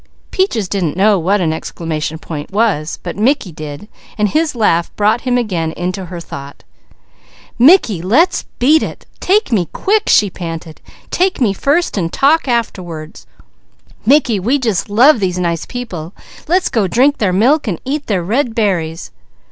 Peaches didn't know what an exclamation point was, but Mickey did. His laugh brought him again into her thought. "Mickey, let's beat it! Take me quick!" she panted. "Take me first and talk afterward. Mickey, we just love these nice people, let's go drink their milk, and eat their red berries."